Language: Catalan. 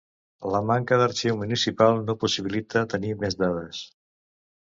La manca d'arxiu municipal no possibilita tenir més dades.